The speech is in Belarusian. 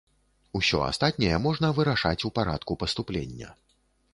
Усё астатняе можна вырашаць у парадку паступлення.